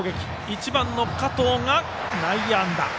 １番、加統が内野安打。